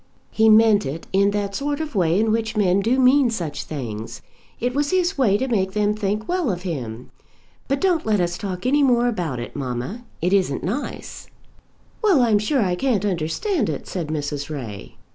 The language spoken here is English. "He meant it in that sort of way in which men do mean such things. It was his way to make them think well of him. But don't let us talk any more about it, mamma. It isn't nice." "Well, I'm sure I can't understand it," said Mrs. Ray.